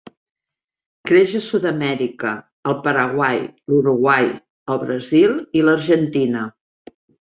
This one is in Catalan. Creix a Sud-amèrica, al Paraguai, l'Uruguai el Brasil i l'Argentina.